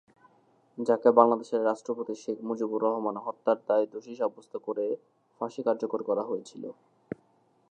যাকে বাংলাদেশের রাষ্ট্রপতি শেখ মুজিবুর রহমান হত্যার দায়ে দোষী সাব্যস্ত করে ফাঁসি কার্যকর করা হয়েছিল।